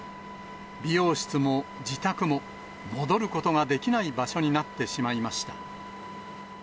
美容室も自宅も、戻ることができない場所になってしまいました。